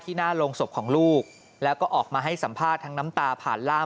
หน้าโรงศพของลูกแล้วก็ออกมาให้สัมภาษณ์ทั้งน้ำตาผ่านล่าม